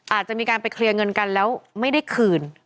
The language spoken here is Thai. อาจจะมีการไปเคลียร์เงินกันแล้วไม่ได้คืน